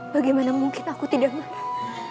bagaimana mungkin aku tidak makan